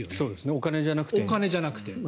お金じゃなくて。